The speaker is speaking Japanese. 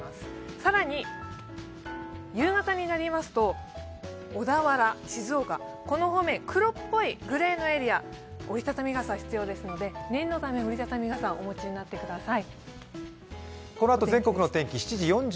更に夕方になりますと、小田原、静岡の方面、黒っぽいグレーのエリア、折り畳み傘必要ですので念のため、折りたたみ傘をお持ちになってください。